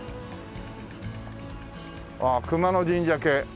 ああ熊野神社系。